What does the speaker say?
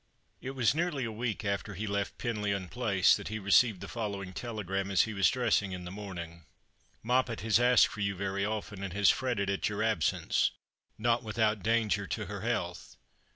It was nearly a week after he left Penlyon Place that he received the following telegram as he was dressing in the morning :—" Moppet has asked for you very often, and has fretted at your absence, not without danger to her health.